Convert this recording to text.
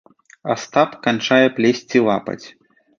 Астап канчае плесці лапаць.